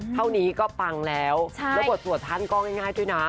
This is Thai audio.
เท่านี้ก็ปังแล้วแล้วบทสวดท่านก็ง่ายด้วยนะ